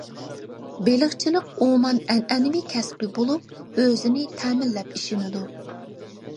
بېلىقچىلىق ئومان ئەنئەنىۋى كەسپى بولۇپ، ئۆزىنى تەمىنلەپ ئېشىنىدۇ.